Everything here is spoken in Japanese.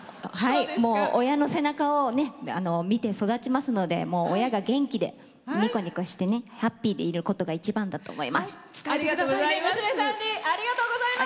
親の背中を見て育ちますので親が元気でにこにこしてハッピーでいることが一番だと思います。